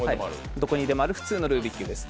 どこにでもある普通のルービックキューブです。